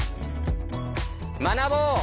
学ぼう！